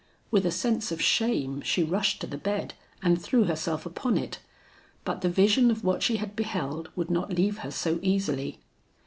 With a sense of shame she rushed to the bed and threw herself upon it, but the vision of what she had beheld would not leave her so easily.